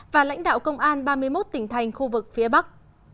và lãnh đạo công an ba mươi một tỉnh thành khu vực phía bắc